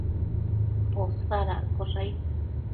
Posadaccosh aid